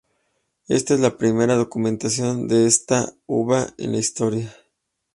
Esta es la primera documentación de esta uva en la historia.